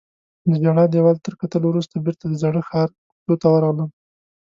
د ژړا دیوال تر کتلو وروسته بیرته د زاړه ښار کوڅو ته ورغلم.